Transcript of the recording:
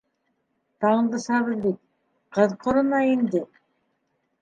- Тандысабыҙ бит... ҡыҙ ҡорона инде!